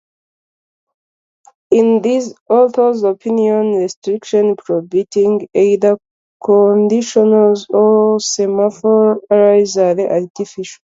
In this author's opinion, restrictions prohibiting either conditionals or semaphore arrays are artificial.